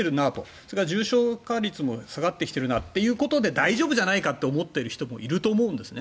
それから重症化率も下がってきているなということで大丈夫じゃないかと思っている人もいると思うんですね。